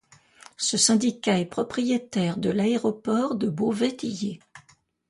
Ce syndicat est propriétaire de l'aéroport de Beauvais-Tillé.